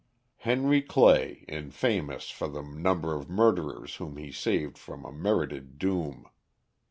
Henry Clay in famous for the number of murderers whom he saved from a merited doom.